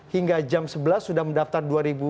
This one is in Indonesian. hingga jam sebelas sudah mendaftar